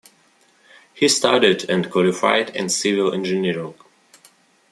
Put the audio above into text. He studied and qualified in civil engineering.